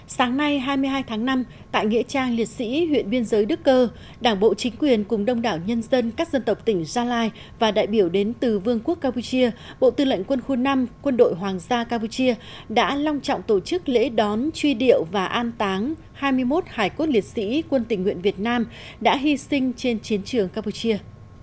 sáng nay hai mươi hai tháng năm tại nghĩa trang liệt sĩ huyện biên giới đức cơ đảng bộ chính quyền cùng đông đảo nhân dân các dân tộc tỉnh gia lai và đại biểu đến từ vương quốc campuchia bộ tư lệnh quân khu năm quân đội hoàng gia campuchia đã long trọng tổ chức lễ đón truy điệu và an táng hai mươi một hải quốc liệt sĩ quân tỉnh huyện việt nam đã hy sinh trên chiến trường campuchia